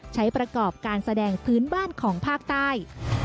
ใช้ประกอบการแสดงพื้นบ้านของภาคใต้